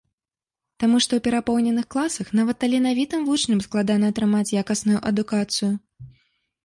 Таму што ў перапоўненых класах нават таленавітым вучням складана атрымаць якасную адукацыю.